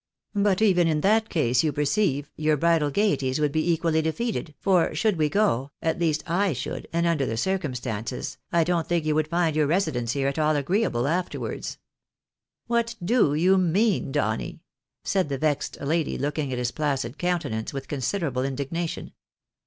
But even in that case, you perceive, your NOT AT ALL A JOKE. 19 bridal gaieties would be equally defeated, for we should go, at least I should, and under the circumstances, I don't think you woiid find your residence here at all agreeable afterwards." " What do you mean, Donny ?" said the vexed lady, looking at Ms placid countenance with considerable indignation.